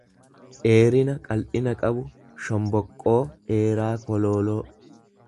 dheerina qal'ina qabu; shomboqqoo dheeraa kolooloo.